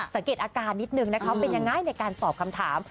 สังเกตอาการนิดนึงนะคะเป็นยังไงในการตอบคำถาม